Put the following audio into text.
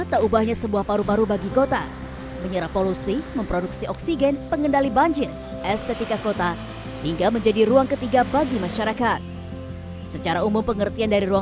jangan lupa like share dan subscribe ya